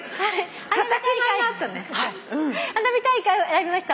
「花火大会」を選びました